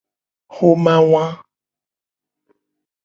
Xoma wa.